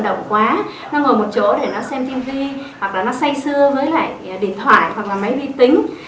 động quá nó ngồi một chỗ để nó xem tivi hoặc là nó say sưa với lại điện thoại hoặc là máy bí tính